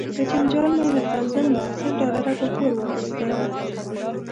په جنجال مې له فضل نه سل ډالره په پور واخیستل.